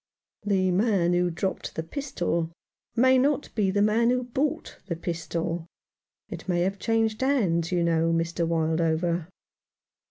"The man who dropped the pistol may not be the man who bought the pistol. It may have changed hands, you know, Mr. Wildover."